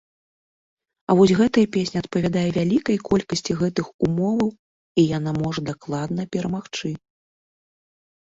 А вось гэтая песня адпавядае вялікай колькасці гэтых умоваў, і яна можа дакладна перамагчы.